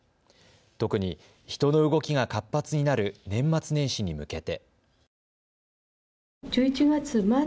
特に人の動きが活発になる年末年始に向けて。